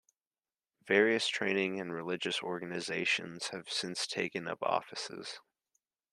Various training and religious organisations have since taken up offices.